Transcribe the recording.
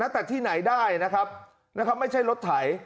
แต่ที่ไหนได้นะครับไม่ใช่รถไถ